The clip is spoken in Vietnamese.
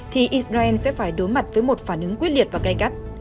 thì israel sẽ phải đối mặt với một phản ứng quyết liệt và cay cắt